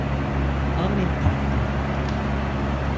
An nɛ́n tha cɔn.